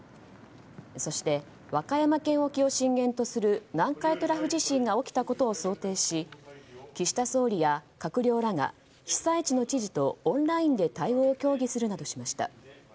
そして、和歌山県沖を震源とする南海トラフ地震が起きたことを想定し岸田総理や閣僚らが被災地の知事とオンラインで対応を協議するなどしました。